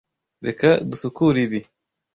Reka dusukure ibi.